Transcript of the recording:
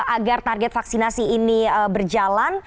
agar target vaksinasi ini berjalan